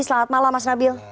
selamat malam mas nabil